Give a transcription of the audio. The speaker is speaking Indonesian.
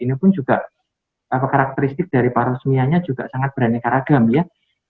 ini pun juga karakteristik dari parosmianya juga sangat beraneka ragam ya